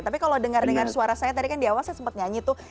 tapi kalau dengar dengar suara saya tadi kan di awal saya sempat nyanyi tuh